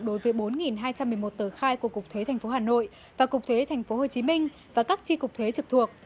đối với bốn hai trăm một mươi một tờ khai của cục thuế tp hà nội và cục thuế tp hồ chí minh và các chi cục thuế trực thuộc